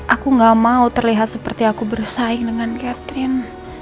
aku gak mau terlihat seperti aku bersaing dengan catherine